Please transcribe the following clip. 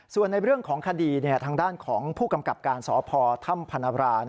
ส่วนในเรื่องของคดีทางด้านของผู้กำกับการสพถ้ำพนบรา